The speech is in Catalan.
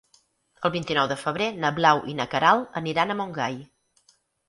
El vint-i-nou de febrer na Blau i na Queralt aniran a Montgai.